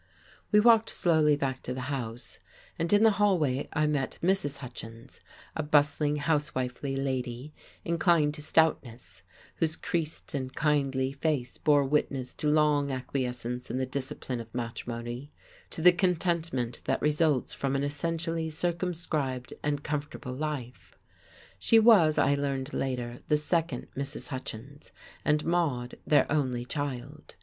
We walked slowly back to the house, and in the hallway I met Mrs. Hutchins, a bustling, housewifely lady, inclined to stoutness, whose creased and kindly face bore witness to long acquiescence in the discipline of matrimony, to the contentment that results from an essentially circumscribed and comfortable life. She was, I learned later, the second Mrs. Hutchins, and Maude their only child.